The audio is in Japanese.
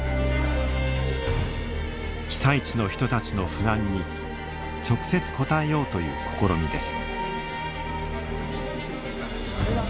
被災地の人たちの不安に直接答えようという試みです。